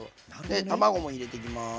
で卵も入れていきます。